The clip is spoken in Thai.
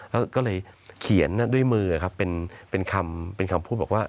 แล้วก็เลยเขียนด้วยมือเป็นคำพูดบอกว่า